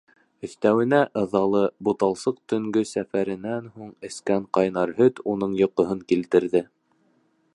Өҫтәүенә, ыҙалы, буталсыҡ төнгө сәфәренән һуң эскән ҡайнар һөт уның йоҡоһон килтерҙе.